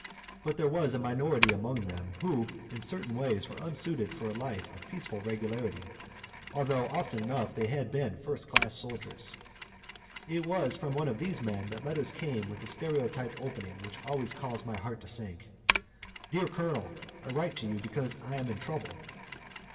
But there was a minority among them who in certain ways were unsuited for a life of peaceful regularity, although often enough they had been first class soldiers. It was from these men that letters came with a stereotyped opening which always caused my heart to sink "Dear Colonel: I write you because I am in trouble."